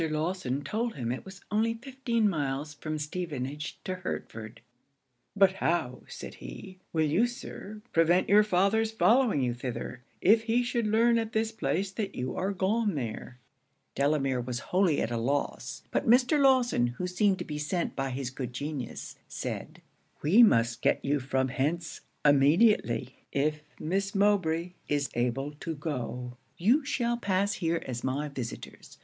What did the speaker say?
Lawson told him it was only fifteen miles from Stevenage to Hertford 'But how,' said he, 'will you, Sir, prevent your father's following you thither, if he should learn at this place that you are gone there?' Delamere was wholly at a loss. But Mr. Lawson, who seemed to be sent by his good genius, said 'We must get you from hence immediately, if Miss Mowbray is able to go. You shall pass here as my visitors.